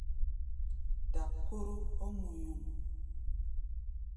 Dap kóró ɔ́ ŋuyuŋ.